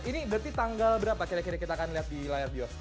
ini berarti tanggal berapa kira kira kita akan lihat di layar biosko